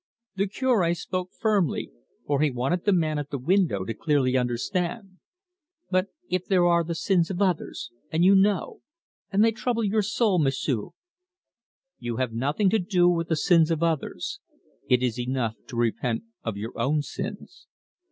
The Cure spoke firmly, for he wanted the man at the window to clearly understand. "But if there are the sins of others, and you know, and they trouble your soul, M'sieu'?" "You have nothing to do with the sins of others; it is enough to repent of your own sins.